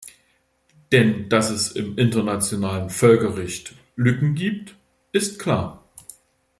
Denn dass es im internationalen Völkerrecht Lücken gibt, ist klar.